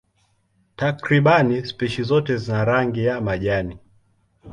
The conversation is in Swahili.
Takriban spishi zote zina rangi ya majani.